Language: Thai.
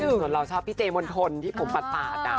ส่วนเราชอบพี่เจมณฑลที่ผมปาด